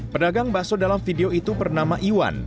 pedagang bakso dalam video itu bernama iwan